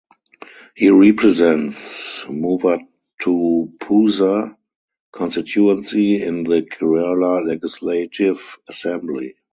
He represents Muvattupuzha constituency in the Kerala Legislative Assembly.